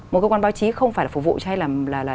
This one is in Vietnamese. một cơ quan báo chí không phải là phục vụ cho hay là